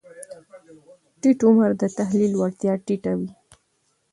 ټیټ عمر د تحلیل وړتیا ټیټه وي.